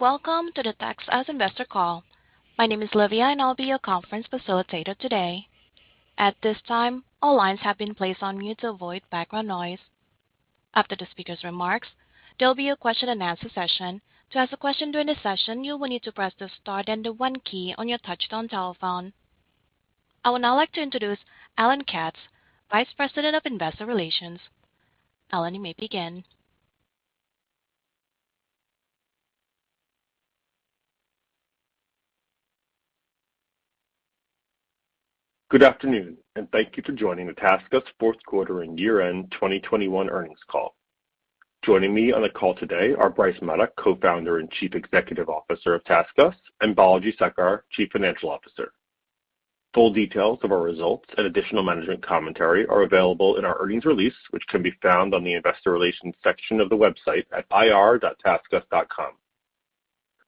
Welcome to the TaskUs Investor Call. My name is Livia, and I'll be your conference facilitator today. At this time, all lines have been placed on mute to avoid background noise. After the speaker's remarks, there will be a question-and-answer session. To ask a question during the session, you will need to press the star then the one key on your touchtone telephone. I would now like to introduce Alan Katz, Vice President of Investor Relations. Alan, you may begin. Good afternoon and thank you for joining the TaskUs Fourth Quarter and Year-End 2021 Earnings Call. Joining me on the call today are Bryce Maddock, Co-Founder and Chief Executive Officer of TaskUs. And Balaji Sekar, Chief Financial Officer. Full details of our results and additional management commentary are available in our earnings release. Which can be found on the investor relations section of the website at ir.taskus.com.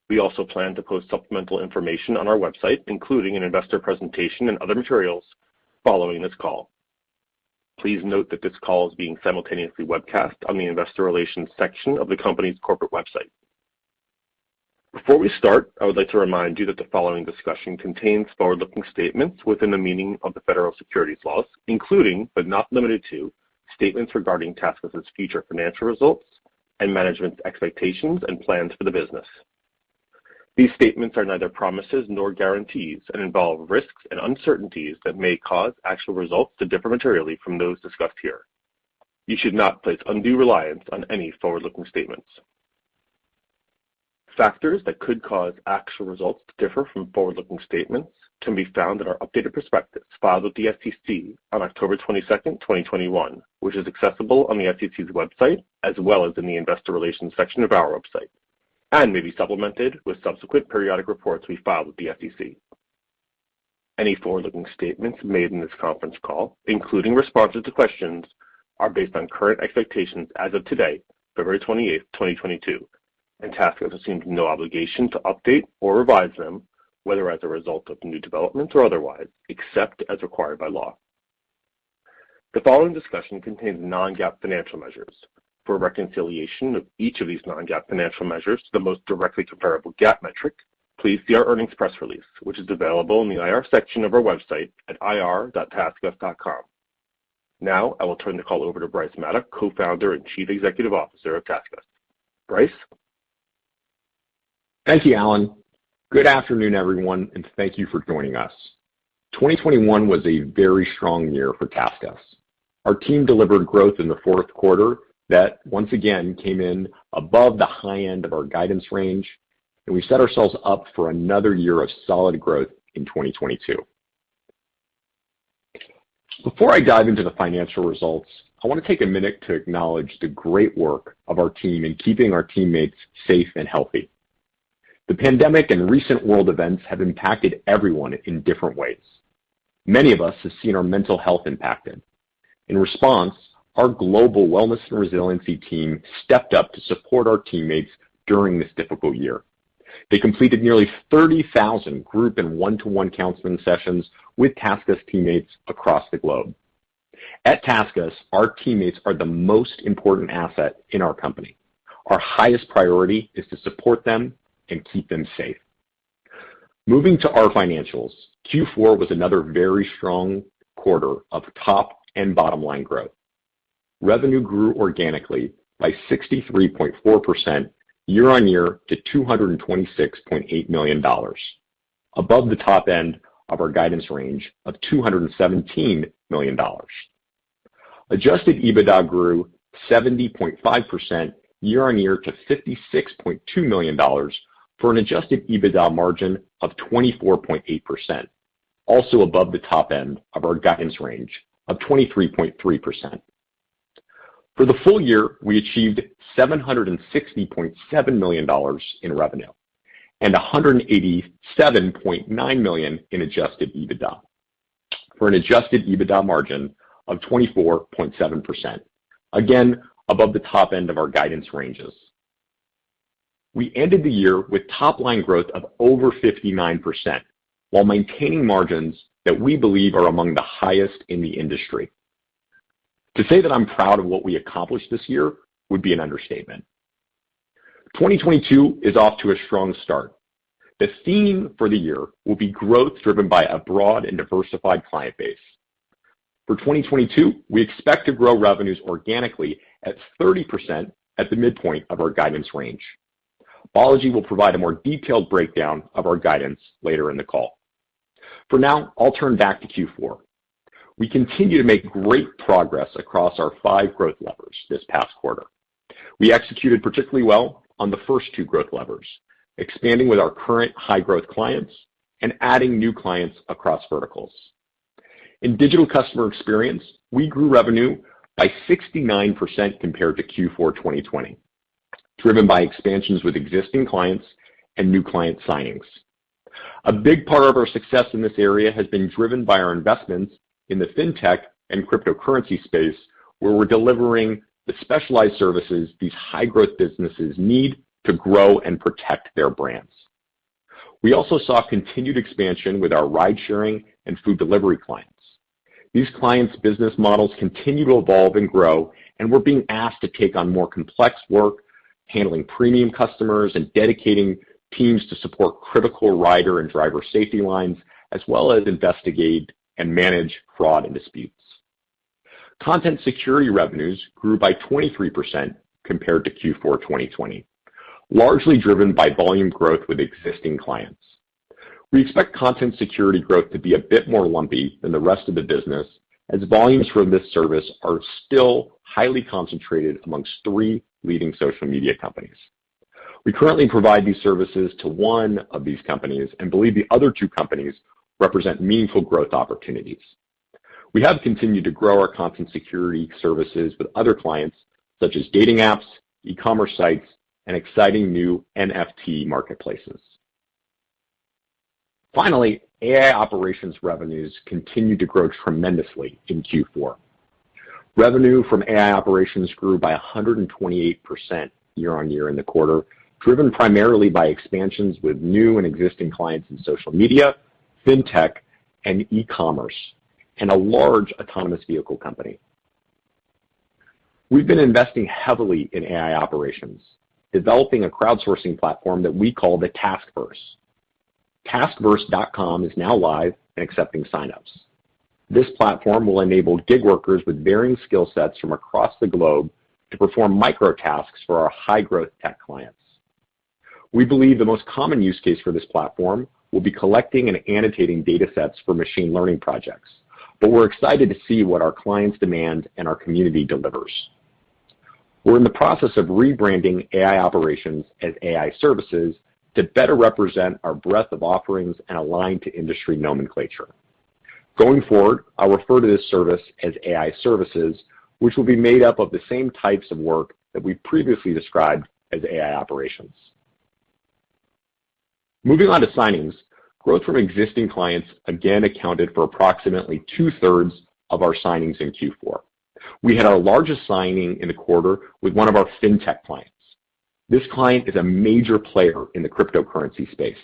We also plan to post supplemental information on our website including an investor presentation, and other materials following this call. Please note that this call is being simultaneously webcast on the investor relations section of the company's corporate website. Before we start, I would like to remind you that the following discussion contains forward-looking statements within the meaning of the Federal Securities Laws. Including, but not limited to, statements regarding TaskUs' future financial results, and management's expectations, and plans for the business. These statements are neither promises nor guarantees and involve risks, and uncertainties. That may cause actual results to differ materially from those discussed here. You should not place undue reliance on any forward-looking statements. Factors that could cause actual results to differ from forward-looking statements, can be found in our updated prospectus filed with the SEC on October 22, 2021. Which is accessible on the SEC's website as well as in the investor relations section of our website. And may be supplemented with subsequent periodic reports we file with the SEC. Any forward-looking statements made in this conference call, including responses to questions are based on current expectations as of today, February 28, 2022. And TaskUs assumes no obligation to update or revise them, whether as a result of new developments or otherwise, except as required by law. The following discussion contains non-GAAP financial measures. For a reconciliation of each of these non-GAAP financial measures to the most directly comparable GAAP metric. Please see our earnings press release, which is available in the IR section of our website at ir.taskus.com. Now I will turn the call over to Bryce Maddock, Co-Founder and Chief Executive Officer of TaskUs. Bryce. Thank you, Alan. Good afternoon, everyone and thank you for joining us. 2021 was a very strong year for TaskUs. Our team delivered growth in the fourth quarter that once again came in above the high end of our guidance range. And we set ourselves up for another year of solid growth in 2022. Before I dive into the financial results, I want to take a minute to acknowledge the great work of our team in keeping our teammates safe and healthy. The pandemic and recent world events have impacted everyone in different ways. Many of us have seen our mental health impacted. In response, our global wellness and resiliency team stepped up to support our teammates during this difficult year. They completed nearly 30,000 group and one-to-one counseling sessions with TaskUs teammates across the globe. At TaskUs, our teammates are the most important asset in our company. Our highest priority is to support them and keep them safe. Moving to our financials, Q4 was another very strong quarter of top and bottom-line growth. Revenue grew organically by 63.4% year-over-year to $226.8 million. Above the top end of our guidance range of $217 million. Adjusted EBITDA grew 70.5% year-over-year to $56.2 million for an adjusted EBITDA margin of 24.8%, also above the top end of our guidance range of 23.3%. For the full year, we achieved $760.7 million in revenue, and $187.9 million in Adjusted EBITDA. For an Adjusted EBITDA margin of 24.7%, again above the top end of our guidance ranges. We ended the year with top line growth of over 59%. While maintaining margins that we believe are among the highest in the industry. To say that I'm proud of what we accomplished this year would be an understatement. 2022 is off to a strong start. The theme for the year will be growth driven by a broad and diversified client base. For 2022, we expect to grow revenues organically at 30% at the midpoint of our guidance range. Balaji will provide a more detailed breakdown of our guidance later in the call. For now, I'll turn back to Q4. We continue to make great progress across our five growth levers this past quarter. We executed particularly well on the first two growth levers, expanding with our current high-growth clients and adding new clients across verticals. In Digital Customer Experience, we grew revenue by 69% compared to Q4 2020. Driven by expansions with existing clients and new client signings. A big part of our success in this area has been driven by our investments in the fintech and cryptocurrency space. Where we're delivering the specialized services these high-growth businesses need to grow and protect their brands. We also saw continued expansion with our ridesharing, and food delivery clients. These client's business models continue to evolve and grow, and we're being asked to take on more complex work. Handling premium customers and dedicating teams to support critical rider and driver safety lines. As well as investigate and manage fraud and disputes. Content security revenues grew by 23% compared to Q4 2020. Largely driven by volume growth with existing clients. We expect content security growth to be a bit more lumpy than the rest of the business. As volumes from this service are still highly concentrated amongst three leading social media companies. We currently provide these services to one of these companies and believe the other two companies represent meaningful growth opportunities. We have continued to grow our content security services with other clients, such as dating apps, e-commerce sites, and exciting new NFT marketplaces. Finally, AI operations revenues continued to grow tremendously in Q4. Revenue from AI operations grew by 128% year-on-year in the quarter. Driven primarily by expansions with new and existing clients in social media, fintech, and e-commerce, and a large autonomous vehicle company. We've been investing heavily in AI operations, developing a crowdsourcing platform that we call TaskVerse. Taskverse.com is now live and accepting sign-ups. This platform will enable gig workers with varying skill sets from across the globe, to perform micro tasks for our high-growth tech clients. We believe the most common use case for this platform will be collecting, and annotating data sets for machine learning projects. But we're excited to see what our clients demand, and our community delivers. We're in the process of rebranding AI operations, as AI services to better represent our breadth of offerings and align to industry nomenclature. Going forward, I'll refer to this service as AI services, which will be made up of the same types of work. That we previously described as AI operations. Moving on to signings. Growth from existing clients again accounted for approximately 2/3 of our signings in Q4. We had our largest signing in the quarter with one of our fintech clients. This client is a major player in the cryptocurrency space.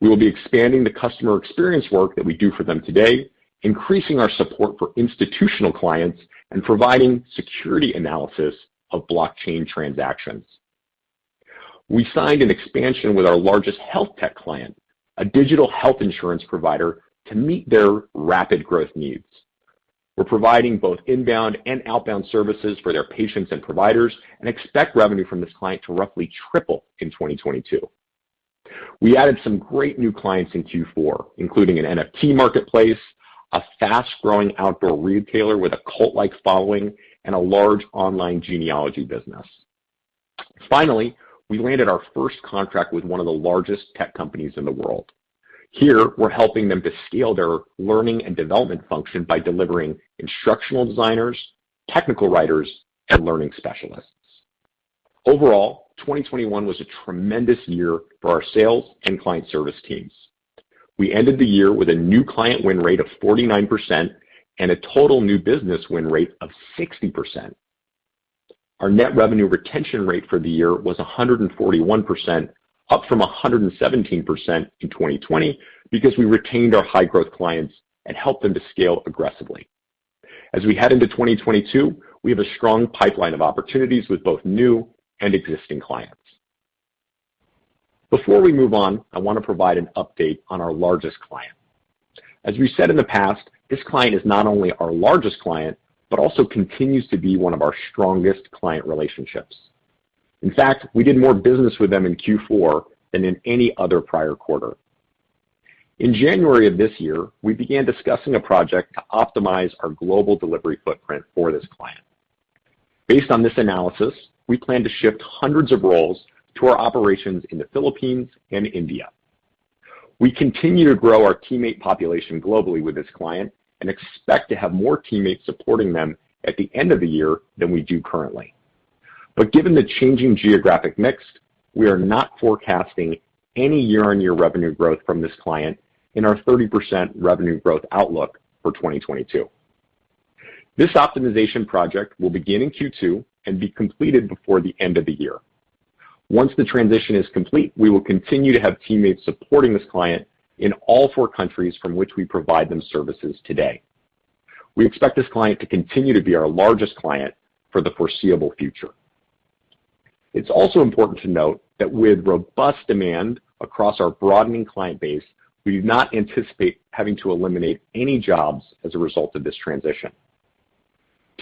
We will be expanding the customer experience work that we do for them today. Increasing our support for institutional clients and providing security analysis of blockchain transactions. We signed an expansion with our largest healthtech client, a digital health insurance provider. To meet their rapid growth needs. We're providing both inbound and outbound services for their patients and providers and expect revenue from this client to roughly triple in 2022. We added some great new clients in Q4, including an NFT marketplace. A fast-growing outdoor retailer with a cult-like following, and a large online genealogy business. Finally, we landed our first contract with one of the largest tech companies in the world. Here, we're helping them to scale their learning and development function by delivering instructional designers, technical writers, and learning specialists. Overall, 2021 was a tremendous year for our sales and client service teams. We ended the year with a new client win rate of 49%, and a total new business win rate of 60%. Our net revenue retention rate for the year was 141%, up from 117% in 2020. Because we retained our high-growth clients and helped them to scale aggressively. As we head into 2022, we have a strong pipeline of opportunities with both new and existing clients. Before we move on, I wanna provide an update on our largest client. As we've said in the past, this client is not only our largest client. But also continues to be one of our strongest client relationships. In fact, we did more business with them in Q4 than in any other prior quarter. In January of this year, we began discussing a project to optimize our global delivery footprint for this client. Based on this analysis, we plan to shift hundreds of roles to our operations in the Philippines and India. We continue to grow our teammate population globally with this client and expect to have more teammates supporting them at the end of the year than we do currently. Given the changing geographic mix. We are not forecasting any year-on-year revenue growth from this client, in our 30% revenue growth outlook for 2022. This optimization project will begin in Q2 and be completed before the end of the year. Once the transition is complete. We will continue to have teammates supporting this client in all four countries from which we provide them services today. We expect this client to continue to be our largest client for the foreseeable future. It's also important to note that with robust demand across our broadening client base. We do not anticipate having to eliminate any jobs as a result of this transition.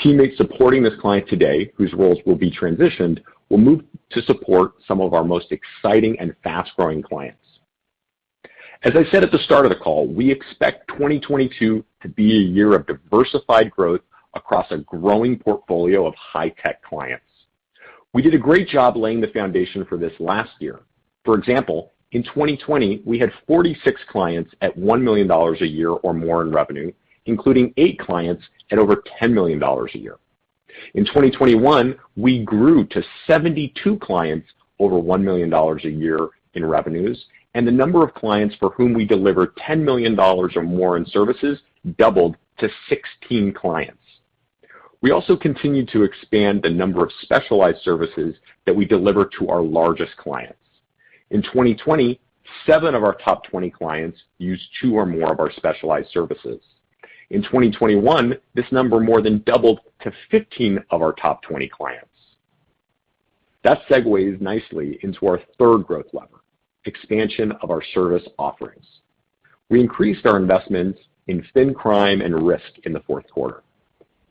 Teammates supporting this client today whose roles will be transitioned, will move to support some of our most exciting and fast-growing clients. As I said at the start of the call. We expect 2022 to be a year of diversified growth across a growing portfolio of high-tech clients. We did a great job laying the foundation for this last year. For example, in 2020 we had 46 clients at $1 million a year or more in revenue, including eight clients at over $10 million a year. In 2021 we grew to 72 clients over $1 million a year in revenues. And the number of clients for whom we delivered $10 million or more in services doubled to 16 clients. We also continued to expand the number of specialized services that we deliver to our largest clients. In 2020, seven of our top 20 clients used two or more of our specialized services. In 2021, this number more than doubled to 15 of our top 20 clients. That segues nicely into our third growth lever, expansion of our service offerings. We increased our investments in financial crime and risk in the fourth quarter.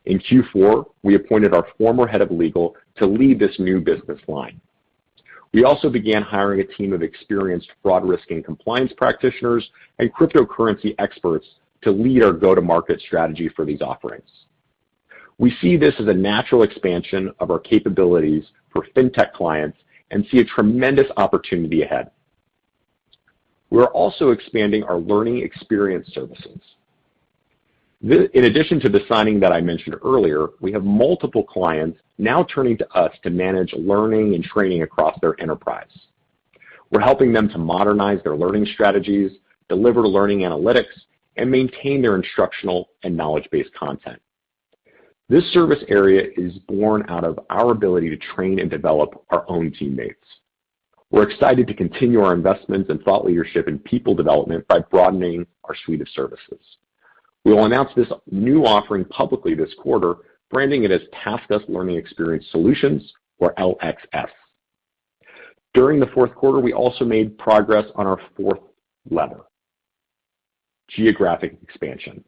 In Q4, we appointed our former head of legal to lead this new business line. We also began hiring a team of experienced fraud risk and compliance practitioners and cryptocurrency experts. To lead our go-to-market strategy for these offerings. We see this as a natural expansion of our capabilities for fintech clients and see a tremendous opportunity ahead. We're also expanding our learning experience services. In addition to the signing that I mentioned earlier, we have multiple clients now turning to us to manage learning and training across their enterprise. We're helping them to modernize their learning strategies, deliver learning analytics, and maintain their instructional and knowledge-based content. This service area is born out of our ability to train and develop our own teammates. We're excited to continue our investments in thought leadership and people development, by broadening our suite of services. We will announce this new offering publicly this quarter, branding it as TaskUs Learning Experience Solutions or LXS. During the fourth quarter, we also made progress on our fourth lever, geographic expansion.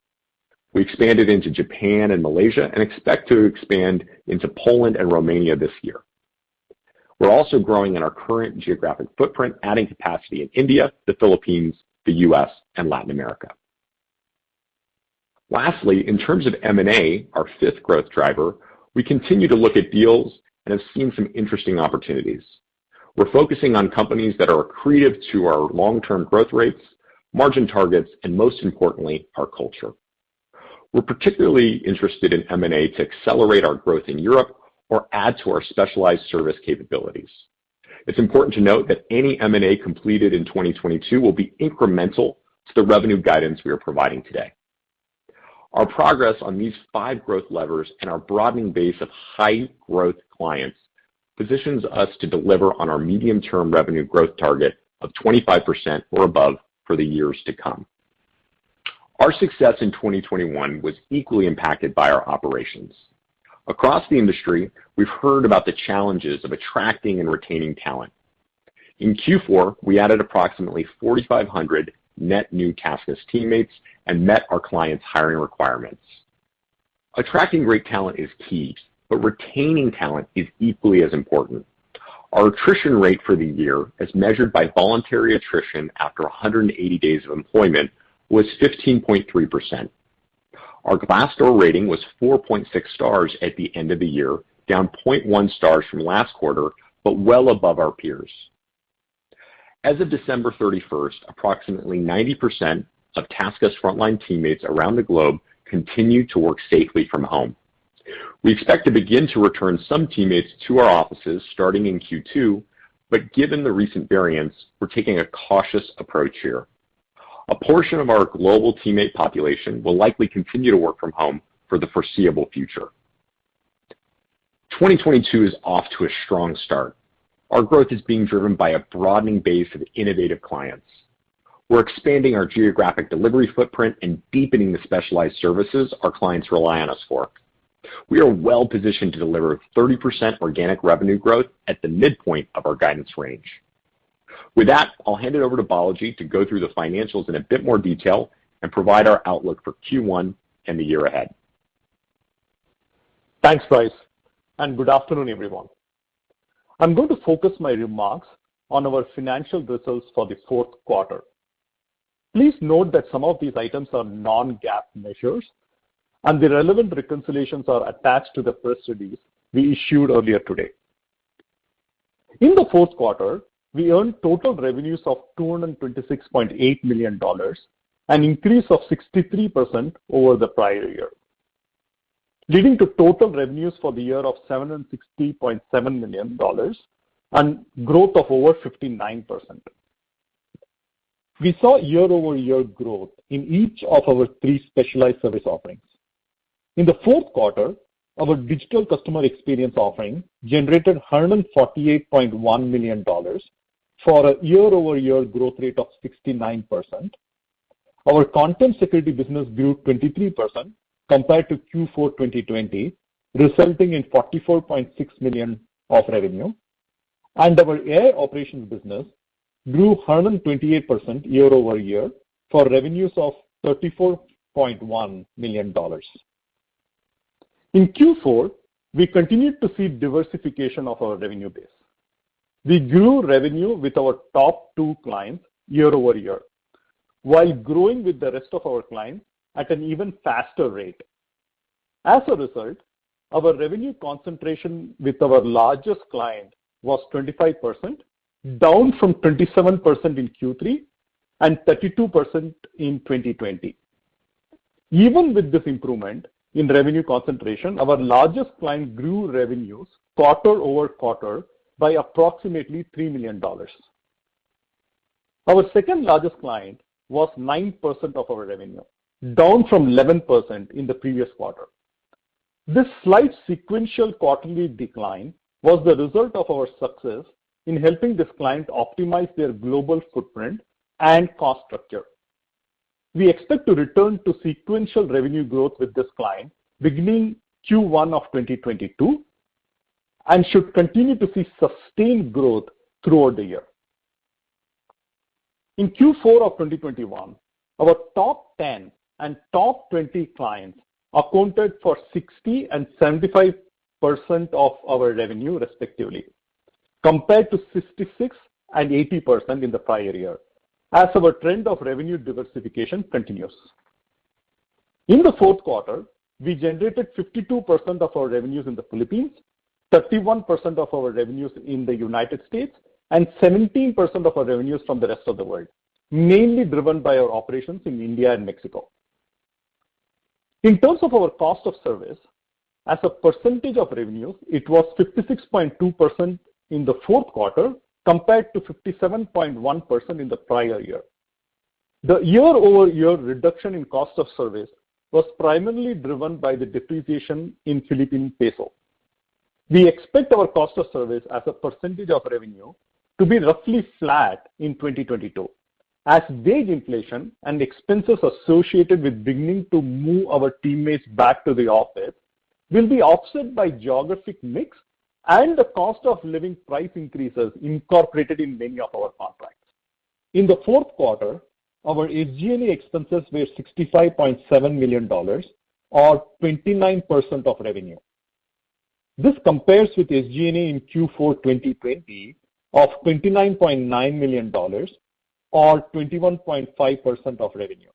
We expanded into Japan and Malaysia and expect to expand into Poland and Romania this year. We're also growing in our current geographic footprint, adding capacity in India, the Philippines, the U.S., and Latin America. Lastly, in terms of M&A, our fifth growth driver, we continue to look at deals and have seen some interesting opportunities. We're focusing on companies that are accretive to our long-term growth rates, margin targets, and most importantly, our culture. We're particularly interested in M&A to accelerate our growth in Europe or add to our specialized service capabilities. It's important to note that any M&A completed in 2022 will be incremental to the revenue guidance we are providing today. Our progress on these five growth levers and our broadening base of high-growth clients. Positions us to deliver on our medium-term revenue growth target of 25% or above for the years to come. Our success in 2021 was equally impacted by our operations. Across the industry, we've heard about the challenges of attracting and retaining talent. In Q4, we added approximately 4,500 net new TaskUs teammates and met our client's hiring requirements. Attracting great talent is key, but retaining talent is equally as important. Our attrition rate for the year. As measured by voluntary attrition after 180 days of employment, was 15.3%. Our Glassdoor rating was 4.6 stars at the end of the year. Down 0.1 stars from last quarter, but well above our peers. As of December 31, approximately 90% of TaskUs frontline teammates around the globe continued to work safely from home. We expect to begin to return some teammates to our offices starting in Q2. But given the recent variants, we're taking a cautious approach here. A portion of our global teammate population will likely continue to work from home for the foreseeable future. 2022 is off to a strong start. Our growth is being driven by a broadening base of innovative clients. We're expanding our geographic delivery footprint and deepening the specialized services our clients rely on us for. We are well positioned to deliver 30% organic revenue growth at the midpoint of our guidance range. With that, I'll hand it over to Balaji to go through the financials in a bit more detail and provide our outlook for Q1 and the year ahead. Thanks, Bryce, and good afternoon, everyone. I'm going to focus my remarks on our financial results for the fourth quarter. Please note that some of these items are non-GAAP measures, and the relevant reconciliations are attached to the press release we issued earlier today. In the fourth quarter, we earned total revenues of $226.8 million. An increase of 63% over the prior year, leading to total revenues for the year of $760.7 million and growth of over 59%. We saw year-over-year growth in each of our three specialized service offerings. In the fourth quarter, our digital customer experience offering generated $148.1 million for a year-over-year growth rate of 69%. Our Content Security business grew 23% compared to Q4 2020, resulting in $44.6 million of revenue. Our AI operations business grew 128% year-over-year for revenues of $34.1 million. In Q4, we continued to see diversification of our revenue base. We grew revenue with our top two clients year-over-year. While growing with the rest of our clients at an even faster rate. As a result, our revenue concentration with our largest client was 25%, down from 27% in Q3 and 32% in 2020. Even with this improvement in revenue concentration, our largest client grew revenues quarter-over-quarter by approximately $3 million. Our second-largest client was 9% of our revenue, down from 11% in the previous quarter. This slight sequential quarterly decline was the result of our success in helping this client optimize their global footprint and cost structure. We expect to return to sequential revenue growth with this client beginning Q1 of 2022 and should continue to see sustained growth throughout the year. In Q4 of 2021, our top 10 and top 20 clients accounted for 60% and 75% of our revenue, respectively. Compared to 66% and 80% in the prior year, as our trend of revenue diversification continues. In the fourth quarter, we generated 52% of our revenues in the Philippines, 31% of our revenues in the United States. And 17% of our revenues from the rest of the world, mainly driven by our operations in India and Mexico. In terms of our cost of service, as a percentage of revenue, it was 56.2% in the fourth quarter compared to 57.1% in the prior year. The year-over-year reduction in cost of service was primarily driven by the depreciation in Philippine peso. We expect our cost of service as a percentage of revenue to be roughly flat in 2022. As wage inflation and expenses associated with beginning to move our teammates back to the office. Will be offset by geographic mix and the cost-of-living price increases incorporated in many of our contracts. In the fourth quarter, our SG&A expenses were $65.7 million or 29% of revenue. This compares with SG&A in Q4 2020 of $29.9 million or 21.5% of revenue.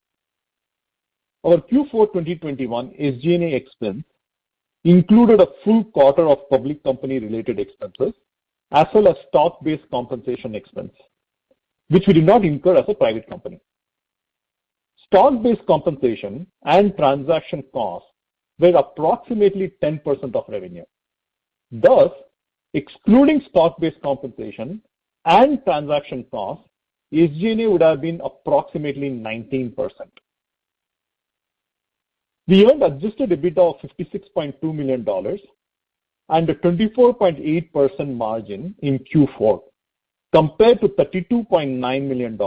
Our Q4 2021 SG&A expense included a full quarter of public company related expenses. As well as stock-based compensation expense, which we did not incur as a private company. Stock-based compensation and transaction costs were approximately 10% of revenue. Thus, excluding stock-based compensation and transaction costs, SG&A would have been approximately 19%. We earned adjusted EBITDA of $56.2 million and a 24.8% margin in Q4. Compared to $32.9 million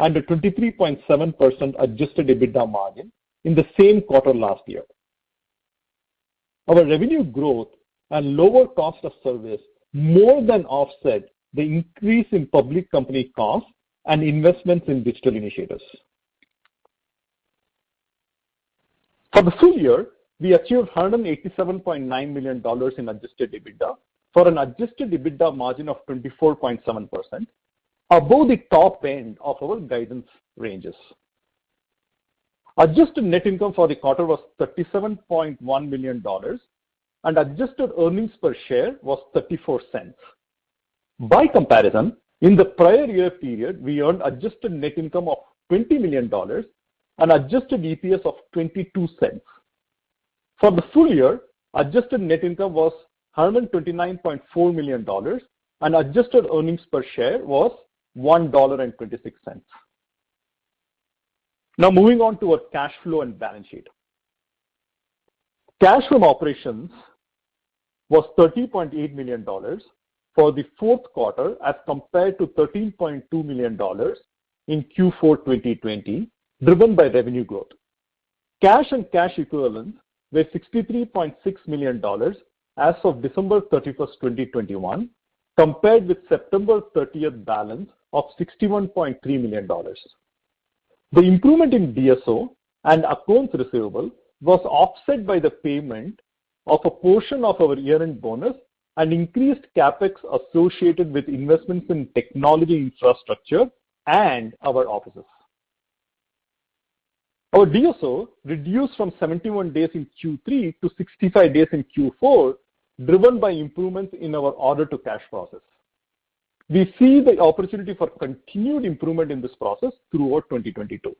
and a 23.7% adjusted EBITDA margin in the same quarter last year. Our revenue growth and lower cost of service more than offset the increase in public company costs and investments in digital initiatives. For the full year, we achieved $187.9 million in adjusted EBITDA for an adjusted EBITDA margin of 24.7%, above the top end of our guidance ranges. Adjusted net income for the quarter was $37.1 million and adjusted earnings per share was $0.34. By comparison, in the prior year period, we earned adjusted net income of $20 million and adjusted EPS of $0.22. For the full year, adjusted net income was $129.4 million and adjusted earnings per share was $1.26. Now moving on to our cash flow and balance sheet. Cash from operations was $13.8 million for the fourth quarter as compared to $13.2 million in Q4 2020, driven by revenue growth. Cash and cash equivalents were $63.6 million as of December 31, 2021, compared with September 30 balance of $61.3 million. The improvement in DSO and accounts receivable was offset by the payment of a portion of our year-end bonus. And increased CapEx associated with investments in technology infrastructure and our offices. Our DSO reduced from 71 days in Q3 to 65 days in Q4, driven by improvements in our order to cash process. We see the opportunity for continued improvement in this process throughout 2022.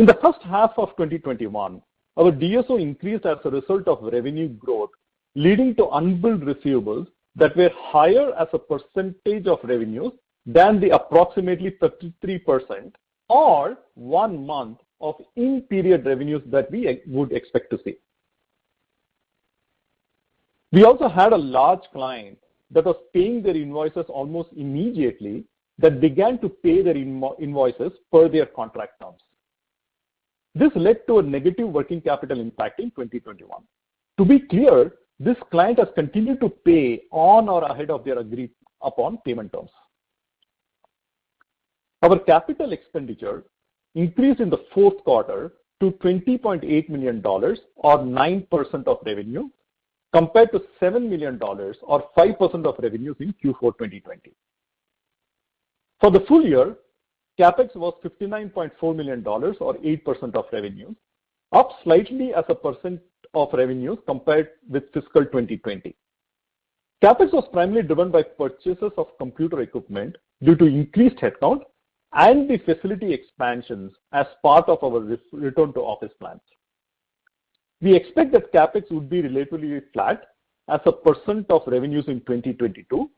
In the first half of 2021, our DSO increased as a result of revenue growth, leading to unbilled receivables that were higher as a percentage of revenue, than the approximately 33% or one month of in-period revenues that we would expect to see. We also had a large client that was paying their invoices almost immediately that began to pay their invoices per their contract terms. This led to a negative working capital impact in 2021. To be clear, this client has continued to pay on or ahead of their agreed upon payment terms. Our capital expenditure increased in the fourth quarter to $20.8 million or 9% of revenue, compared to $7 million or 5% of revenues in Q4 2020. For the full year, CapEx was $59.4 million or 8% of revenue, up slightly as a percent of revenue compared with fiscal 2020. CapEx was primarily driven by purchases of computer equipment due to increased headcount, and the facility expansions as part of our re-return to office plans. We expect that CapEx would be relatively flat as a percent of revenues in 2022.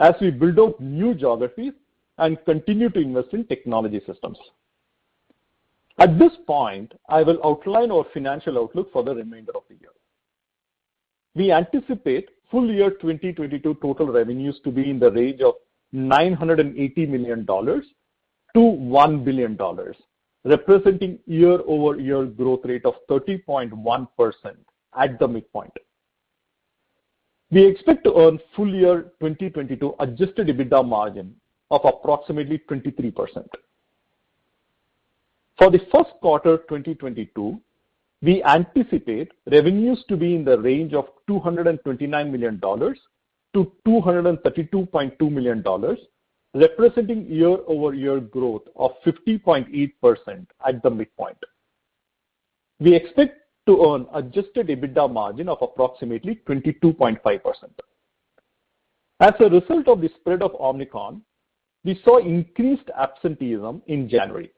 As we build out new geographies and continue to invest in technology systems. At this point, I will outline our financial outlook for the remainder of the year. We anticipate full year 2022 total revenues to be in the range of $980 million-$1 billion. Representing year-over-year growth rate of 30.1% at the midpoint. We expect to earn full year 2022 adjusted EBITDA margin of approximately 23%. For the first quarter 2022, we anticipate revenues to be in the range of $229 million-$232.2 million. Representing year-over-year growth of 50.8% at the midpoint. We expect to earn adjusted EBITDA margin of approximately 22.5%. As a result of the spread of Omicron, we saw increased absenteeism in January.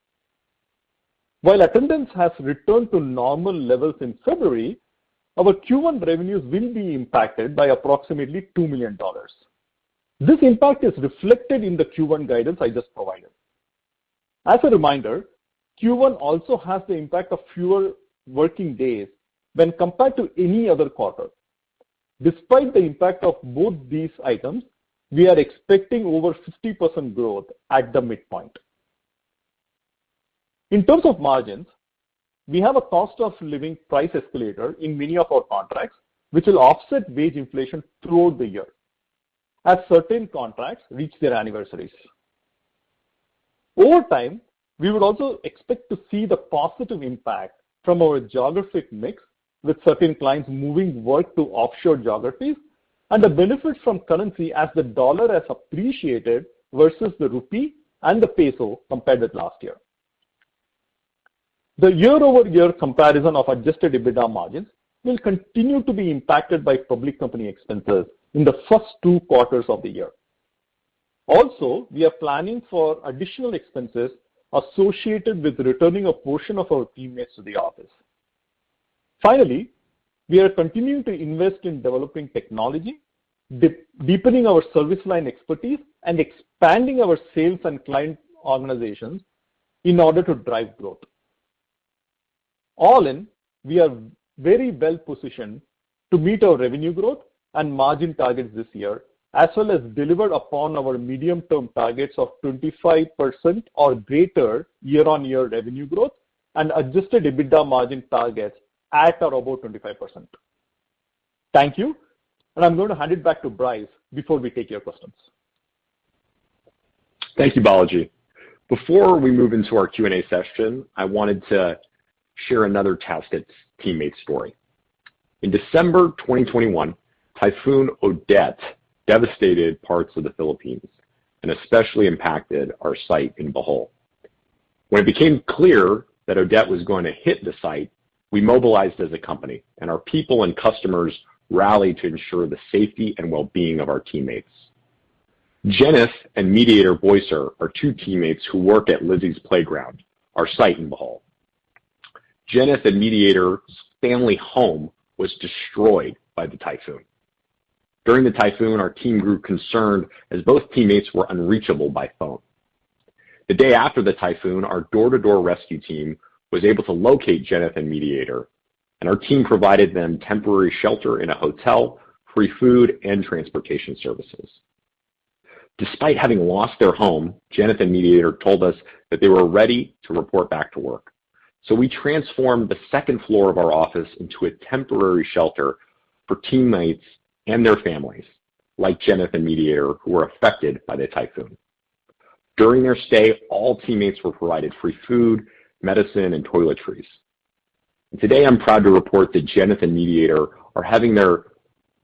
While attendance has returned to normal levels in February, our Q1 revenues will be impacted by approximately $2 million. This impact is reflected in the Q1 guidance I just provided. As a reminder, Q1 also has the impact of fewer working days when compared to any other quarter. Despite the impact of both these items, we are expecting over 50% growth at the midpoint. In terms of margins, we have a cost-of-living price escalator in many of our contracts. Which will offset wage inflation throughout the year as certain contracts reach their anniversaries. Over time, we would also expect to see the positive impact from our geographic mix, with certain clients moving work to offshore geographies. And the benefit from currency as the dollar has appreciated versus the rupee and the peso compared with last year. The year-over-year comparison of Adjusted EBITDA margins will continue to be impacted by public company expenses in the first two quarters of the year. Also, we are planning for additional expenses associated with returning a portion of our teammates to the office. Finally, we are continuing to invest in developing technology, de-deepening our service line expertise. And expanding our sales and client organizations in order to drive growth. All in, we are very well positioned to meet our revenue growth and margin targets this year. As well as deliver upon our medium-term targets of 25% or greater year-on-year revenue growth and Adjusted EBITDA margin targets at or above 25%. Thank you. I'm going to hand it back to Bryce before we take your questions. Thank you, Balaji. Before we move into our Q&A session, I wanted to share another TaskUs teammate story. In December 2021, Typhoon Odette devastated parts of the Philippines and especially impacted our site in Bohol. When it became clear that Odette was going to hit the site, we mobilized as a company. And our people and customers rallied to ensure the safety and well-being of our teammates. Jenith and Mediator Boiser are two teammates who work at Lizzy's Playground, our site in Bohol. Jenith and Mediator's family home was destroyed by the typhoon. During the typhoon, our team grew concerned as both teammates were unreachable by phone. The day after the typhoon, our door-to-door rescue team was able to locate Jenith and Mediator. And our team provided them temporary shelter in a hotel, free food, and transportation services. Despite having lost their home, Jenith and Mediator told us that they were ready to report back to work. We transformed the second floor of our office into a temporary shelter for teammates and their families, like Jenith and Mediator who were affected by the typhoon. During their stay, all teammates were provided free food, medicine, and toiletries. Today, I'm proud to report that Jenith and Mediator are having their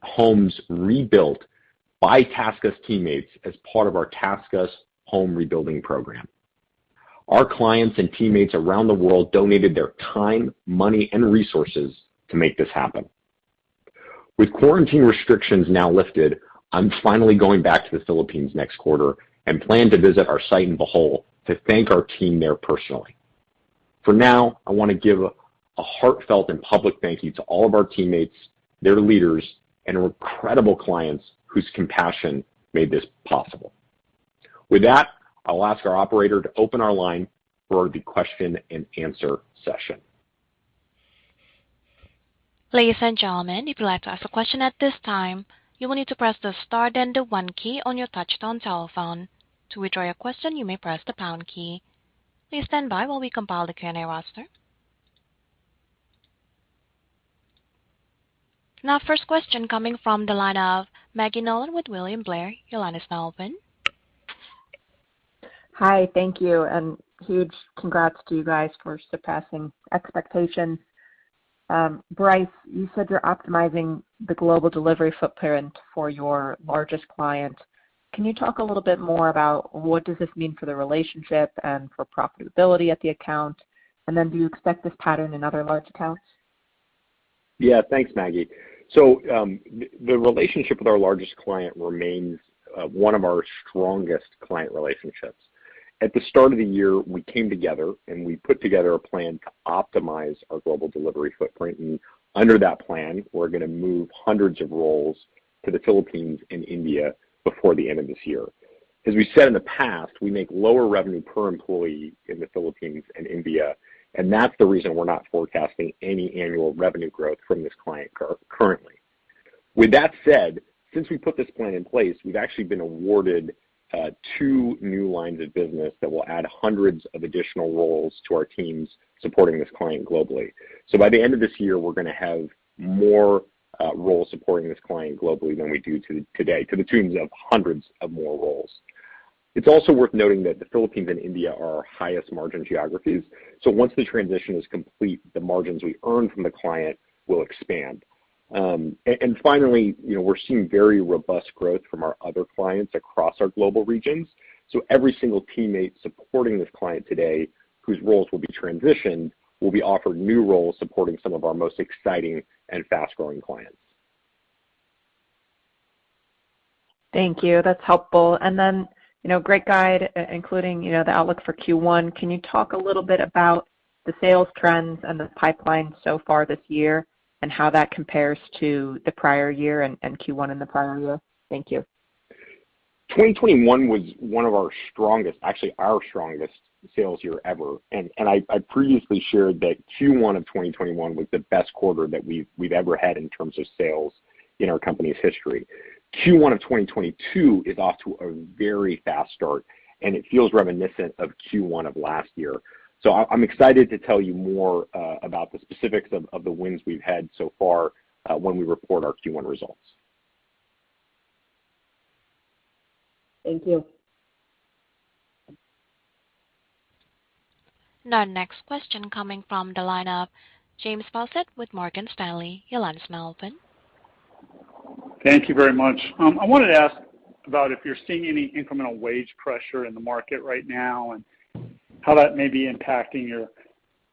homes rebuilt by TaskUs teammates as part of our TaskUs Home Rebuilding Program. Our clients and teammates around the world donated their time, money, and resources to make this happen. With quarantine restrictions now lifted, I'm finally going back to the Philippines next quarter, and plan to visit our site in Bohol to thank our team there personally. For now, I wanna give a heartfelt and public thank you to all of our teammates, their leaders, and our incredible clients whose compassion made this possible. With that, I'll ask our operator to open our line for the question-and-answer session. Ladies and gentlemen, if you'd like to ask a question at this time, you will need to press the star then the one key on your touchtone telephone. To withdraw your question, you may press the pound key. Please stand by while we compile the Q&A roster. Now first question coming from the line of Maggie Nolan with William Blair. Your line is now open. Hi. Thank you, and huge congrats to you guys for surpassing expectations. Bryce, you said you're optimizing the global delivery footprint for your largest client. Can you talk a little bit more about what does this mean for the relationship and for profitability at the account? Do you expect this pattern in other large accounts? Yeah. Thanks, Maggie. The relationship with our largest client remains one of our strongest client relationships. At the start of the year, we came together, and we put together a plan to optimize our global delivery footprint. And under that plan, we're gonna move hundreds of roles to the Philippines and India before the end of this year. As we said in the past, we make lower revenue per employee in the Philippines and India. And that's the reason we're not forecasting any annual revenue growth from this client currently. With that said, since we put this plan in place, we've actually been awarded two new lines of business that will add hundreds of additional roles to our teams supporting this client globally. By the end of this year, we're gonna have more roles supporting this client globally than we do today, to the tune of hundreds of more roles. It's also worth noting that the Philippines and India are our highest margin geographies. So once the transition is complete, the margins we earn from the client will expand. Finally, you know, we're seeing very robust growth from our other clients across our global regions. So, every single teammate supporting this client today, whose roles will be transitioned, will be offered new roles supporting some of our most exciting and fast-growing clients. Thank you. That's helpful. You know, great guide, including, you know, the outlook for Q1. Can you talk a little bit about the sales trends and the pipeline so far this year? And how that compares to the prior year and Q1 in the prior year? Thank you. 2021 was one of our strongest, actually our strongest sales year ever. And I previously shared that Q1 of 2021 was the best quarter that we ever had in terms of sales in our company's history. Q1 of 2022 is off to a very fast start, and it feels reminiscent of Q1 of last year. I'm excited to tell you more about the specifics of the wins we've had so far when we report our Q1 results. Thank you. Now, our next question coming from the line of James Faucette with Morgan Stanley. Your line's now open. Thank you very much. I wanted to ask about if you're seeing any incremental wage pressure in the market right now. And how that may be impacting your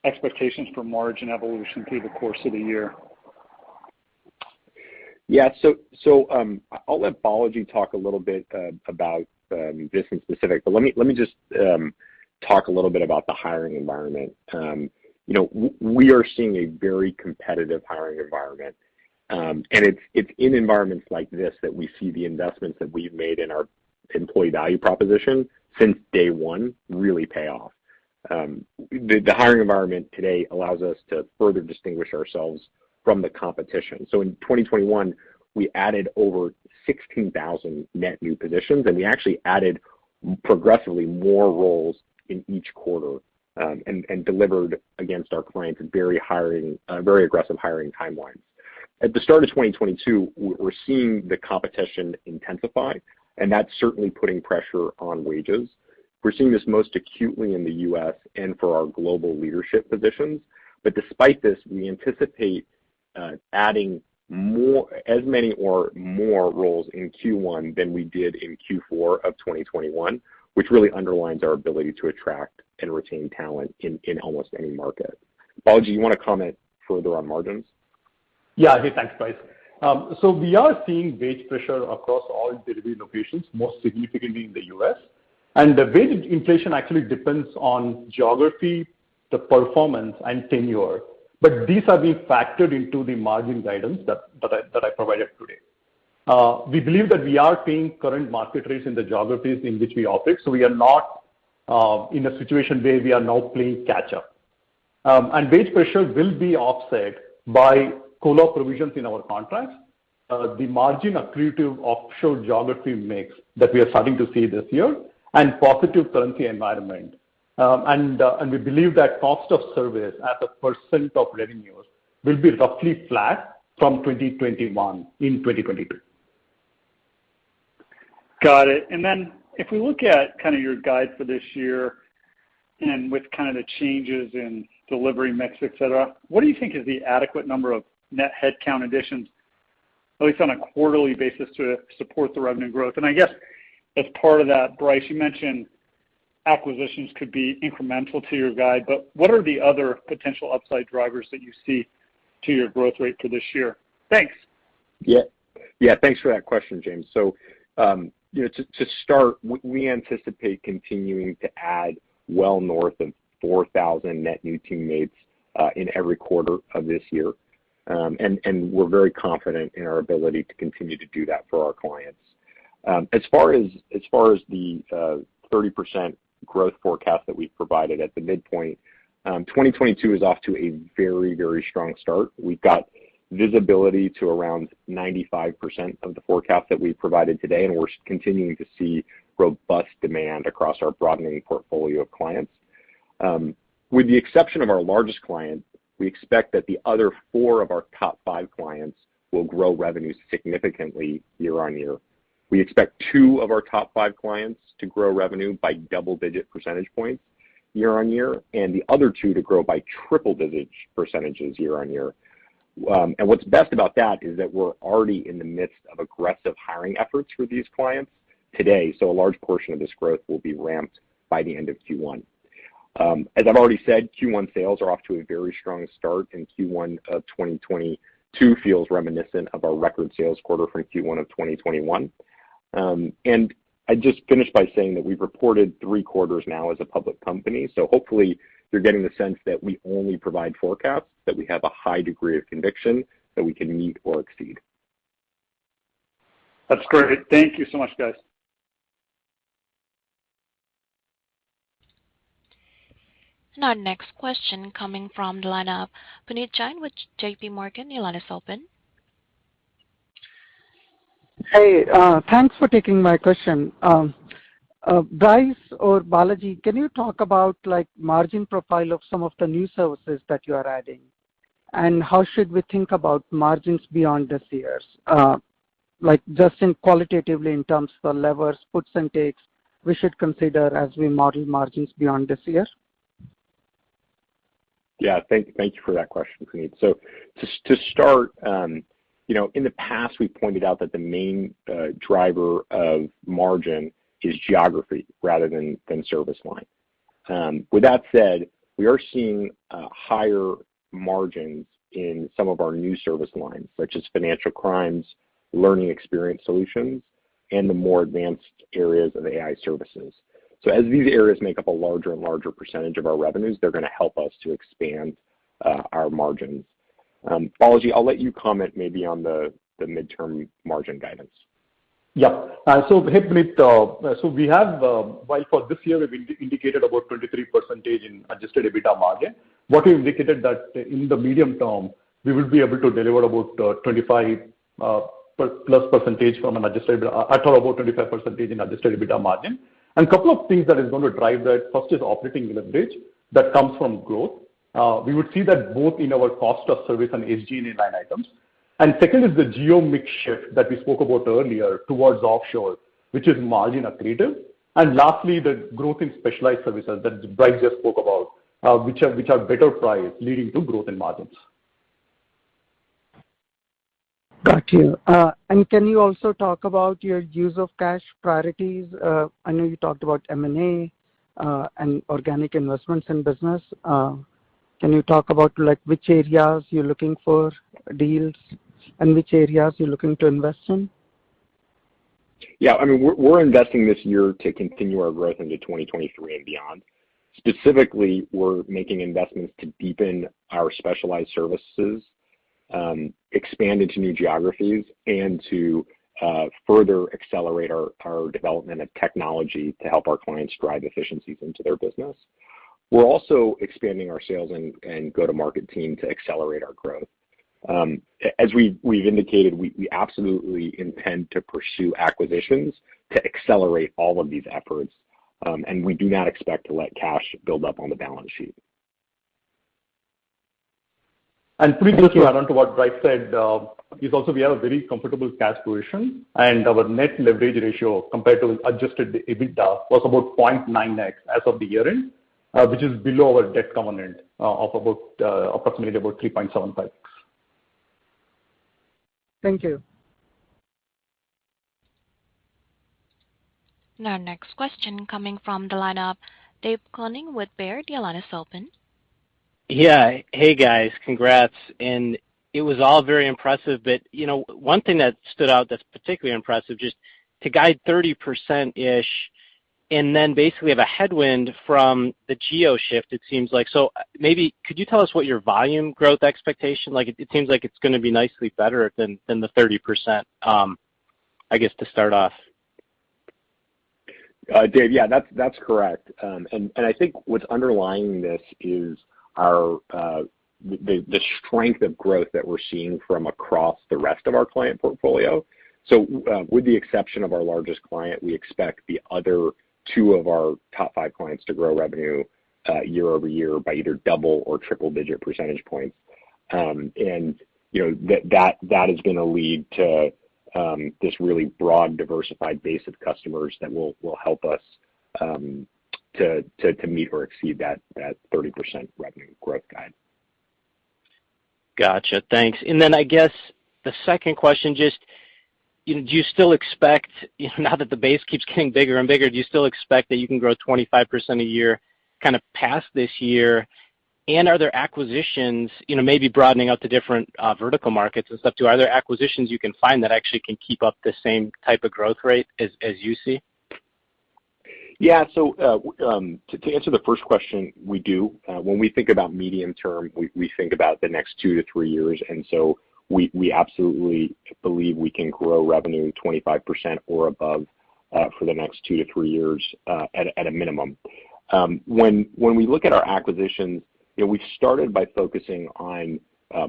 expectations for margin evolution through the course of the year. I'll let Balaji talk a little bit about business-specific but let me just talk a little bit about the hiring environment. You know, we are seeing a very competitive hiring environment. And it's in environments like this that we see the investments that we've made in our employee value proposition since day one really pays off. The hiring environment today allows us to further distinguish ourselves from the competition. In 2021, we added over 16,000 net new positions, and we actually added progressively more roles in each quarter. And delivered against our clients very aggressive hiring timelines. At the start of 2022, we're seeing the competition intensify, and that's certainly putting pressure on wages. We're seeing this most acutely in the U.S. and for our global leadership positions. Despite this, we anticipate adding as many or more roles in Q1 than we did in Q4 of 2021. Which really underlines our ability to attract and retain talent in almost any market. Balaji, you wanna comment further on margins? Yeah. Hey, thanks, Bryce. So, we are seeing wage pressure across all delivery locations, most significantly in the U.S. The wage inflation actually depends on geography, the performance, and tenure. These are being factored into the margin guidance that I provided today. We believe that we are seeing current market rates in the geographies in which we operate. So, we are not in a situation where we are now playing catch up. Wage pressure will be offset by COLA provisions in our contracts. The margin accretive offshore geography mix that we are starting to see this year, and positive currency environment. We believe that cost of service as a percent of revenues will be roughly flat from 2021 in 2022. Got it. Then if we look at kinda your guide for this year and with kinda the changes in delivery mix, et cetera. What do you think is the adequate number of net headcount additions? At least on a quarterly basis, to support the revenue growth? I guess as part of that, Bryce, you mentioned acquisitions could be incremental to your guide. But what are the other potential upside drivers that you see to your growth rate for this year? Thanks. Yeah, thanks for that question, James. You know, to start, we anticipate continuing to add well north of 4,000 net new teammates in every quarter of this year. We're very confident in our ability to continue to do that for our clients. As far as the 30% growth forecast that we've provided at the midpoint, 2022 is off to a very strong start. We've got visibility to around 95% of the forecast that we've provided today. And we're continuing to see robust demand across our broadening portfolio of clients. With the exception of our largest client, we expect that the other four of our top five clients will grow revenue significantly year-over-year. We expect two of our top five clients to grow revenue by double-digit percentage points year-over-year. And the other two to grow by triple-digit percentages year-over-year. What's best about that is that we're already in the midst of aggressive hiring efforts for these clients today, so a large portion of this growth will be ramped by the end of Q1. As I've already said, Q1 sales are off to a very strong start, and Q1 of 2022 feels reminiscent of our record sales quarter from Q1 of 2021. I'd just finish by saying that we've reported three quarters now as a public company. So hopefully you're getting the sense that we only provide forecasts that we have a high degree of conviction that we can meet or exceed. That's great. Thank you so much, guys. Our next question coming from the line of Puneet Jain with JP Morgan. Your line is open. Hey, thanks for taking my question. Bryce or Balaji, can you talk about, like, margin profile of some of the new services that you are adding? How should we think about margins beyond this year's? Like just qualitatively in terms of the levers, puts and takes we should consider as we model margins beyond this year? Thank you for that question, Puneet. To start, you know, in the past we've pointed out that the main driver of margin is geography rather than service line. With that said, we are seeing higher margins in some of our new service lines. Such as financial crimes, learning experience solutions, and the more advanced areas of AI services. As these areas make up a larger and larger percentage of our revenues, they're gonna help us to expand our margins. Balaji, I'll let you comment maybe on the midterm margin guidance. Yeah. Hey, Puneet, we have, well, for this year, we've indicated about 23% in Adjusted EBITDA margin. What we indicated that in the medium term we will be able to deliver about 25+ percentage from an adjusted at about 25% in Adjusted EBITDA margin. Couple of things that is gonna drive that. First is operating leverage that comes from growth. We would see that both in our cost of service and SG&A line items. Second is the geo mix shift that we spoke about earlier towards offshore, which is margin accretive. Lastly, the growth in specialized services that Bryce just spoke about, which are better priced, leading to growth in margins. Got you. Can you also talk about your use of cash priorities? I know you talked about M&A, and organic investments in business. Can you talk about, like, which areas you're looking for deals and which areas you're looking to invest in? Yeah. I mean, we're investing this year to continue our growth into 2023 and beyond. Specifically, we're making investments to deepen our specialized services. Expand into new geographies, and to further accelerate our development of technology to help our clients drive efficiencies into their business. We're also expanding our sales and go-to-market team to accelerate our growth. As we've indicated, we absolutely intend to pursue acquisitions to accelerate all of these efforts. And we do not expect to let cash build up on the balance sheet. Briefly to add on to what Bryce said, is also we have a very comfortable cash position. And our net leverage ratio compared to Adjusted EBITDA was about 0.9x as of the year-end, which is below our debt covenant of about approximately 3.75x. Thank you. Our next question coming from the line of David Koning with Baird. Your line is open. Yeah. Hey, guys. Congrats. It was all very impressive, but, you know, one thing that stood out that's particularly impressive just to guide 30%-ish. And then basically have a headwind from the geo shift it seems like. Maybe could you tell us what your volume growth expectation, like, it seems like it's gonna be nicely better than the 30%, I guess to start off. Dave, yeah, that's correct. I think what's underlying this is our the strength of growth that we're seeing from across the rest of our client portfolio. With the exception of our largest client, we expect the other two of our top five clients to grow revenue year-over-year, by either double- or triple-digit percentage points. You know, that is gonna lead to this really broad diversified base of customers. That will help us to meet or exceed that 30% revenue growth guide. Gotcha. Thanks. I guess the second question, just do you still expect, you know, now that the base keeps getting bigger and bigger. Do you still expect that you can grow 25% a year kind of past this year? Are there acquisitions, you know, maybe broadening out to different vertical markets and stuff too, are there acquisitions you can find that actually can keep up the same type of growth rate as you see? To answer the first question, we do. When we think about medium term, we think about the next two-three years. And we absolutely believe we can grow revenue 25% or above for the next two-three years, at a minimum. When we look at our acquisitions, you know, we've started by focusing on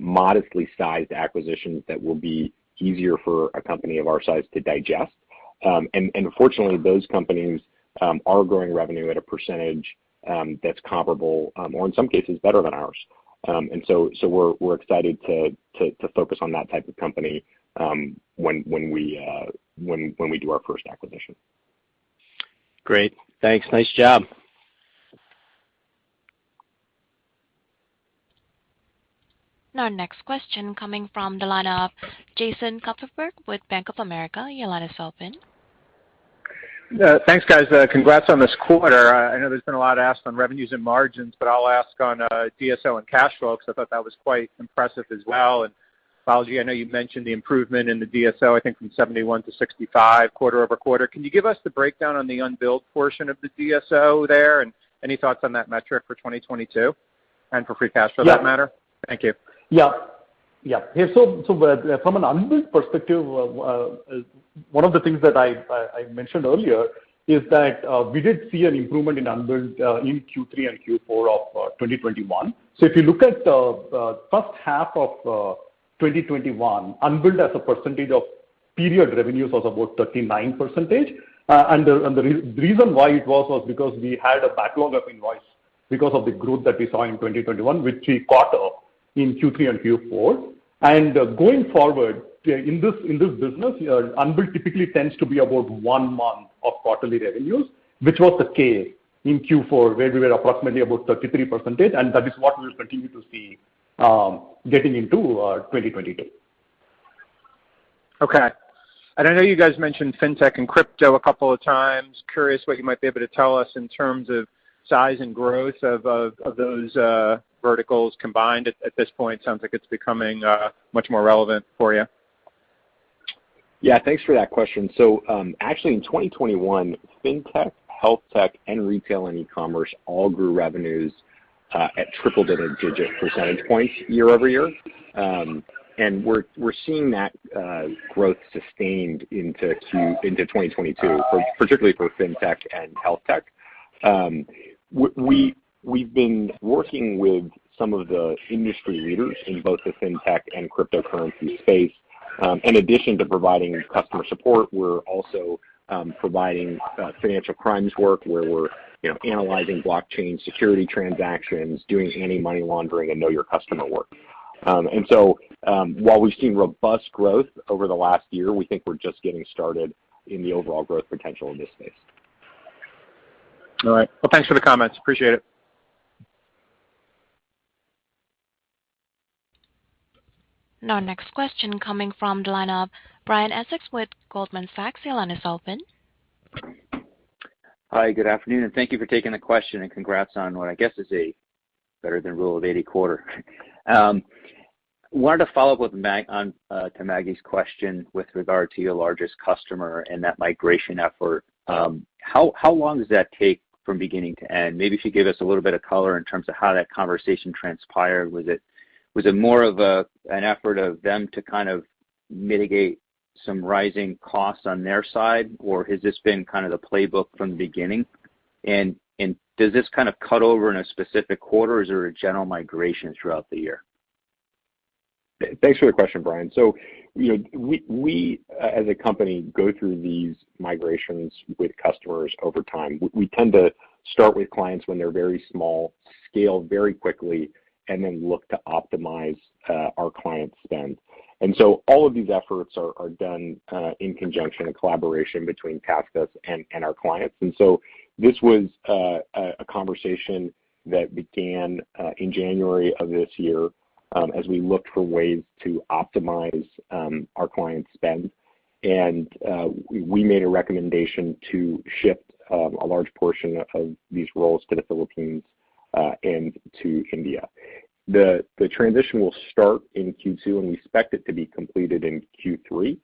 modestly sized acquisitions that will be easier for a company of our size to digest. Fortunately, those companies are growing revenue at a percentage that's comparable or in some cases better than ours. We're excited to focus on that type of company when we do our first acquisition. Great. Thanks. Nice job. Our next question coming from the line of Jason Kupferberg with Bank of America. Your line is open. Thanks, guys. Congrats on this quarter. I know there's been a lot asked on revenues and margins. But I'll ask on DSO and cash flow because I thought that was quite impressive as well. Balaji, I know you mentioned the improvement in the DSO, I think from 71 to 65 quarter-over-quarter. Can you give us the breakdown on the unbilled portion of the DSO there? Any thoughts on that metric for 2022 and for Free Cash Flow? Yeah. For that matter? Thank you. From an unbilled perspective, one of the things that I mentioned earlier is that we did see an improvement in unbilled in Q3 and Q4 of 2021. If you look at the first half of 2021, unbilled as a percentage of period revenues was about 39%. The reason why it was, was because we had a backlog of invoice. Because of the growth that we saw in 2021, which we caught up in Q3 and Q4. Going forward, in this business, unbilled typically tends to be about one month of quarterly revenues. Which was the case in Q4, where we were approximately 33%, and that is what we'll continue to see getting into 2022. Okay. I know you guys mentioned fintech and crypto a couple of times. Curious what you might be able to tell us in terms of size and growth of those verticals combined at this point. Sounds like it's becoming much more relevant for you. Yeah, thanks for that question. Actually, in 2021, fintech, healthtech, and retail and e-commerce all grew revenues at triple-digit percentage points year-over-year. We're seeing that growth sustained into 2022, particularly for fintech and healthtech. We've been working with some of the industry leaders in both the fintech and cryptocurrency space. In addition to providing customer support, we're also providing financial crimes work where we're, you know, analyzing blockchain security transactions, doing anti-money laundering, and know your customer work. While we've seen robust growth over the last year, we think we're just getting started in the overall growth potential in this space. All right. Well, thanks for the comments. Appreciate it. Our next question coming from the line of Brian Essex with Goldman Sachs. Your line is open. Hi, good afternoon, and thank you for taking the question, and congrats on what I guess is a better than rule of 80 quarter. Wanted to follow up on Maggie's question with regard to your largest customer and that migration effort. How long does that take from beginning to end? Maybe if you give us a little bit of color in terms of how that conversation transpired. Was it more of an effort of them to kind of mitigate some rising costs on their side? Or has this been kind of the playbook from the beginning? Does this kind of cut over in a specific quarter, or is there a general migration throughout the year? Thanks for the question, Brian. You know, we as a company go through these migrations with customers over time. We tend to start with clients when they're very small, scale very quickly, and then look to optimize our client spend. All of these efforts are done in conjunction and collaboration between TaskUs and our clients. This was a conversation that began in January of this year. As we looked for ways to optimize our client spend. We made a recommendation to shift a large portion of these roles to the Philippines and to India. The transition will start in Q2, and we expect it to be completed in Q3.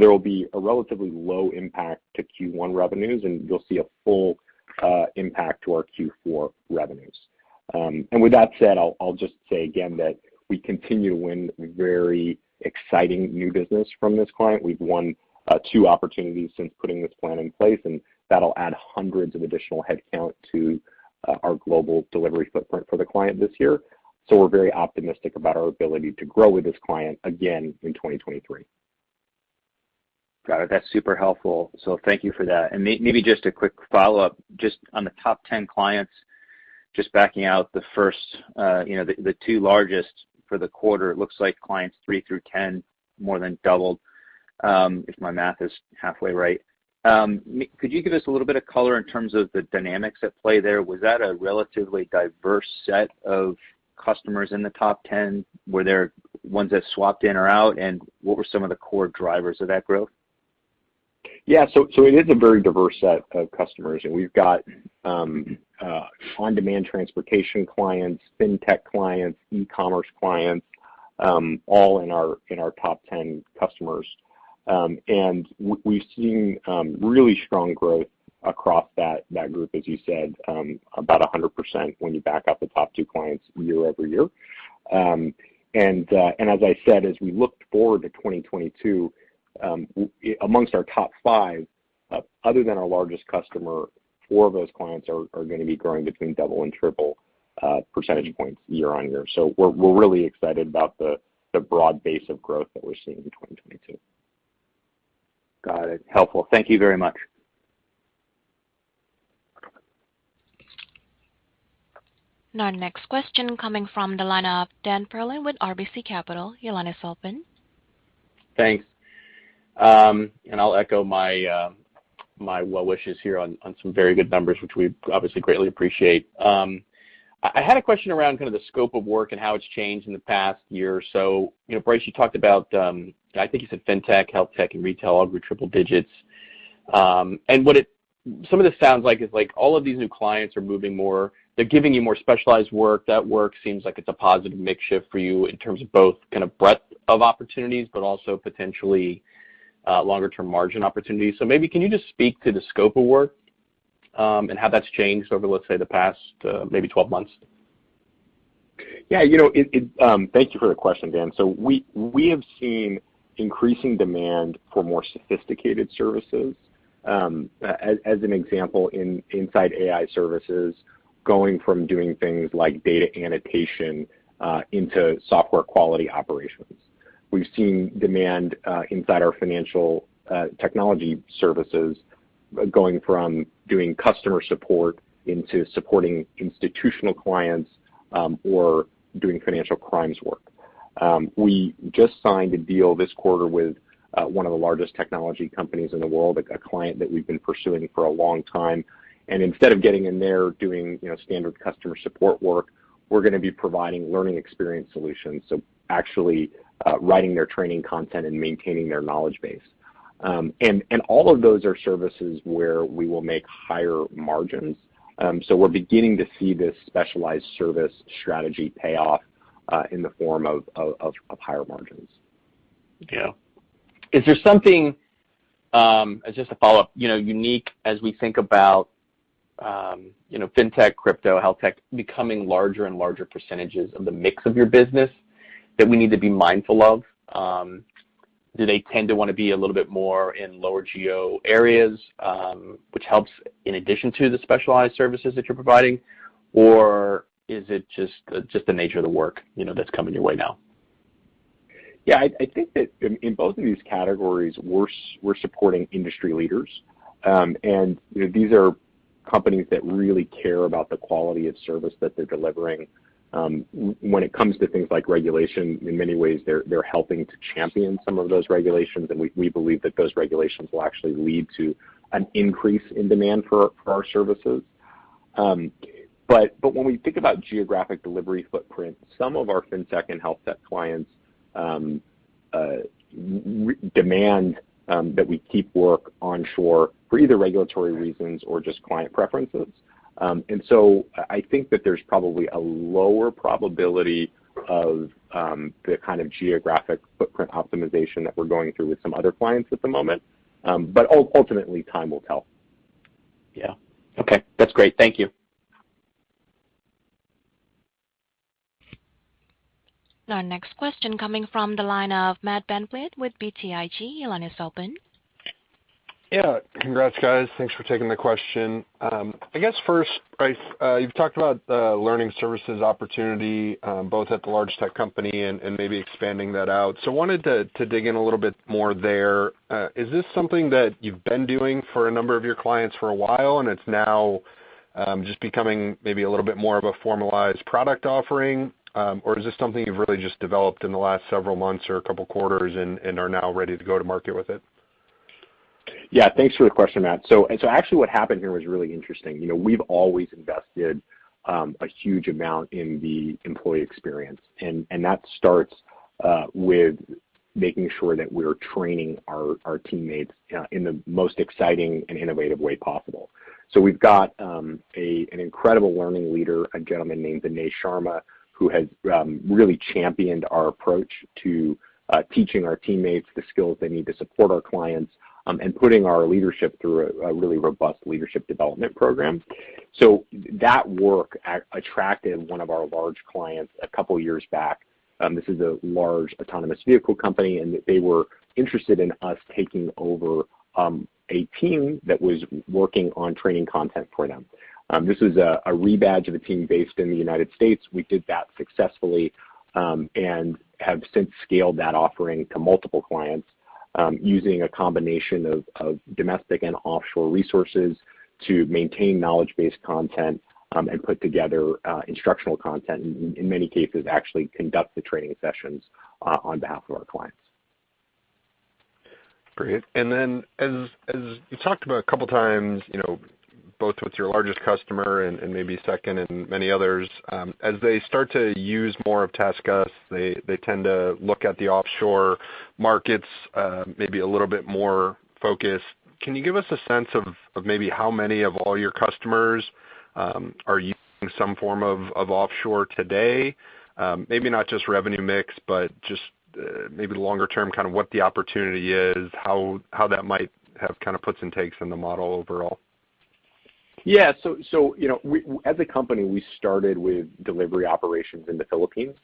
There will be a relatively low impact to Q1 revenues, and you'll see a full impact to our Q4 revenues. With that said, I'll just say again that we continue to win very exciting new business from this client. We've won two opportunities since putting this plan in place. And that'll add hundreds of additional headcounts to our global delivery footprint for the client this year. We're very optimistic about our ability to grow with this client again in 2023. Got it. That's super helpful. Thank you for that. Maybe just a quick follow-up. Just on the top ten clients, just backing out the first, the two largest for the quarter, it looks like clients three through 10 more than doubled, if my math is halfway right. Could you give us a little bit of color in terms of the dynamics at play there? Was that a relatively diverse set of customers in the top 10? Were there ones that swapped in or out? What were some of the core drivers of that growth? It is a very diverse set of customers. We've got on-demand transportation clients, Fintech clients, e-commerce clients, all in our top 10 customers. We've seen really strong growth across that group, as you said, about 100% when you back out the top two clients year-over-year. As I said, as we look forward to 2022, amongst our top five, other than our largest customer. Four of those clients are gonna be growing between double and triple percentage points year-over-year. We're really excited about the broad base of growth that we're seeing in 2022. Got it. Helpful. Thank you very much. Our next question coming from the line of Dan Perlin with RBC Capital. Your line is open. Thanks. I'll echo my well wishes here on some very good numbers, which we obviously greatly appreciate. I had a question around kinda the scope of work and how it's changed in the past year or so. You know, Bryce, you talked about, I think you said fintech, healthtech, and retail all grew triple digits. Some of this sounds like is like all of these new clients are moving more. They're giving you more specialized work. That work seems like it's a positive mix shift for you in terms of both kinda breadth of opportunities, but also potentially longer-term margin opportunities. Maybe can you just speak to the scope of work and how that's changed over, let's say, the past maybe 12 months? Yeah, you know, thank you for the question, Dan. We have seen increasing demand for more sophisticated services. As an example, inside AI services, going from doing things like data annotation into software quality operations. We've seen demand inside our financial technology services going from doing customer support, into supporting institutional clients or doing financial crimes work. We just signed a deal this quarter with one of the largest technology companies in the world. A client that we've been pursuing for a long time. Instead of getting in there doing, you know, standard customer support work. We're gonna be providing learning experience solutions, so actually writing their training content and maintaining their knowledge base. All of those are services where we will make higher margins. So we're beginning to see this specialized service strategy pay off in the form of higher margins. Yeah. Is there something, as just a follow-up, you know, unique as we think about. You know, fintech, crypto, healthtech becoming larger and larger percentages of the mix of your business that we need to be mindful of? Do they tend to wanna be a little bit more in lower geo areas. Which helps in addition to the specialized services that you're providing? Or is it just the nature of the work, you know, that's coming your way now? Yeah. I think that in both of these categories; we're supporting industry leaders. These are companies that really care about the quality of service that they're delivering. When it comes to things like regulation, in many ways they're helping to champion some of those regulations. And we believe that those regulations will actually lead to an increase in demand for our services. When we think about geographic delivery footprint, some of our fintech and healthtech clients. Demand that we keep work onshore for either regulatory reasons or just client preferences. I think that there's probably a lower probability of the kind of geographic footprint optimization. That we're going through with some other clients at the moment, ultimately time will tell. Yeah. Okay. That's great. Thank you. Our next question coming from the line of Matt VanVliet with BTIG. Your line is open. Yeah. Congrats, guys. Thanks for taking the question. I guess first, Bryce, you've talked about learning services opportunity. Both at the large tech company and maybe expanding that out. Wanted to dig in a little bit more there. Is this something that you've been doing for a number of your clients for a while? And it's now just becoming maybe a little bit more of a formalized product offering? Or is this something you've really just developed in the last several months or a couple quarters and are now ready to go to market with it? Yeah. Thanks for the question, Matt. Actually, what happened here was really interesting. You know, we've always invested a huge amount in the employee experience. And that starts with making sure that we're training our teammates in the most exciting and innovative way possible. We've got an incredible learning leader, a gentleman named Vinay Sharma. Who has really championed our approach to teaching our teammates the skills they need to support our clients and putting our leadership through a really robust leadership development program. That work attracted one of our large clients a couple years back. This is a large autonomous vehicle company, and they were interested in us taking over a team that was working on training content for them. This is a rebadge of a team based in the United States. We did that successfully and have since scaled that offering to multiple clients. Using a combination of domestic and offshore resources to maintain knowledge-based content and put together instructional content. In many cases, we actually conduct the training sessions on behalf of our clients. Great. Then as you talked about a couple times, you know, both with your largest customer. And maybe second and many others, as they start to use more of TaskUs, they tend to look at the offshore markets, maybe a little bit more focused. Can you give us a sense of maybe how many of all your customers? Are using some form of offshore today? Maybe not just revenue mix, but just maybe longer term, kind of what the opportunity is. How that might have kinda puts and takes in the model overall. As a company, we started with delivery operations in the Philippines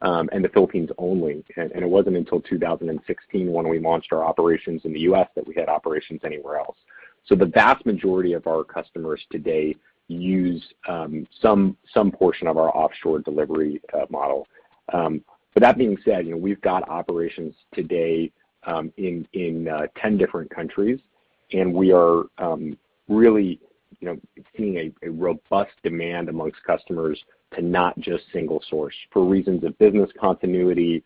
and the Philippines only. It wasn't until 2016 when we launched our operations in the U.S. that we had operations anywhere else. The vast majority of our customers today use some portion of our offshore delivery model. But that being said, you know, we've got operations today in 10 different countries. And we are really, you know, seeing a robust demand among customers to not just single source for reasons of business continuity,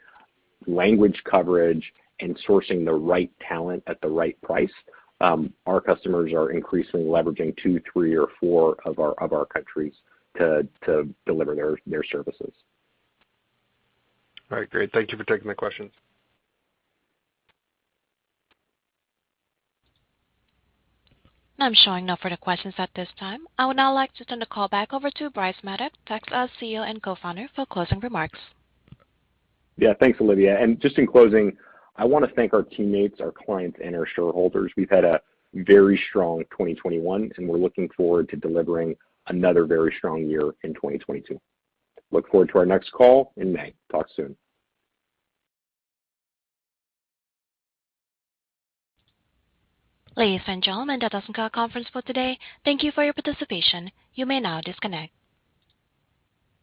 language coverage, and sourcing the right talent at the right price. Our customers are increasingly leveraging two, three, or four of our countries to deliver their services. All right. Great. Thank you for taking the questions. I'm showing no further questions at this time. I would now like to turn the call back over to Bryce Maddock, TaskUs CEO and Co-Founder, for closing remarks. Yeah. Thanks, Livia. Just in closing, I wanna thank our teammates, our clients, and our shareholders. We've had a very strong 2021, and we're looking forward to delivering another very strong year in 2022. Look forward to our next call in May. Talk soon. Ladies and gentlemen, that does end our conference for today. Thank you for your participation. You may now disconnect.